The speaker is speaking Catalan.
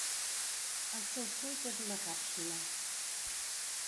El seu fruit és una càpsula.